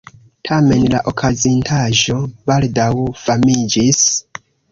Tamen la okazintaĵo baldaŭ famiĝis.